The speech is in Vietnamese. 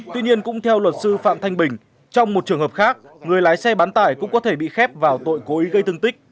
tuy nhiên cũng theo luật sư phạm thanh bình trong một trường hợp khác người lái xe bán tải cũng có thể bị khép vào tội cố ý gây thương tích